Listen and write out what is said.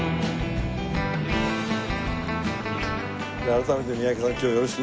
改めて三宅さん今日よろしくどうぞ。